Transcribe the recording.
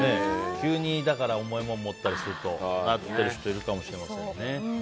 急に重いものを持ったりするとなってる人いるかもしれませんね。